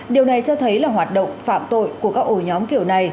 điều này cho thấy là hoạt động phạm tội của các ổ nhóm kiểu này